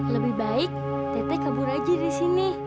lebih baik tete kabur aja di sini